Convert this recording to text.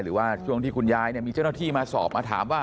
หรือว่าช่วงที่คุณยายมีเจ้าหน้าที่มาสอบมาถามว่า